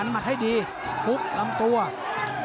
เผ่าฝั่งโขงหมดยก๒